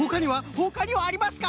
ほかにはありますか？